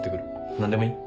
何でもいい？